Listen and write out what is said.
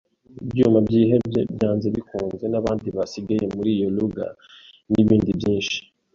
ibyuma byihebye, byanze bikunze - nabandi basigaye muri iyo lugger, nibindi byinshi,